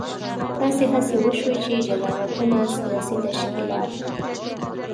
داسې هڅې وشوې چې جلا وطنه سیاسي تشکیلات.